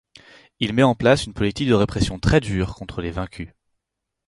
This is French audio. Il met en place une politique de répression très dure contre les vaincus.